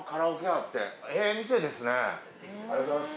ありがとうございます！